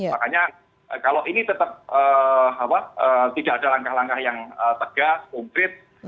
makanya kalau ini tetap tidak ada langkah langkah yang tegas konkret